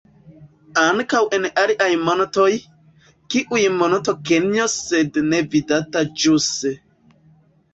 Ankaŭ en aliaj montoj, kiaj Monto Kenjo sed ne vidata ĵuse.